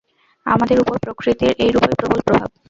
আমাদের উপর প্রকৃতির এইরূপই প্রবল প্রভাব।